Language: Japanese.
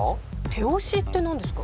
「手押し」って何ですか？